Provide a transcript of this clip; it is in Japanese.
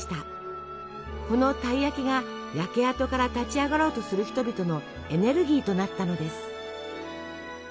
このたい焼きが焼け跡から立ち上がろうとする人々のエネルギーとなったのです。